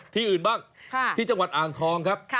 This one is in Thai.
ที่อื่นบ้างที่จังหวัดอ่างทองครับ